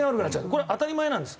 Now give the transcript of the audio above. これ当たり前なんです。